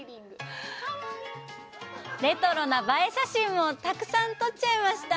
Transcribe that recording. レトロな映え写真もたくさん撮っちゃいました。